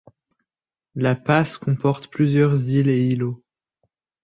La passe comporte plusieurs îles et îlots.